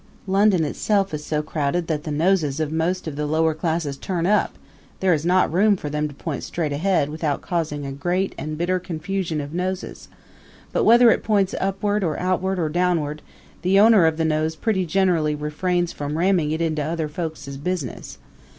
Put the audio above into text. London itself is so crowded that the noses of most of the lower classes turn up there is not room for them to point straight ahead without causing a great and bitter confusion of noses; but whether it points upward or outward or downward the owner of the nose pretty generally refrains from ramming it into other folks' business.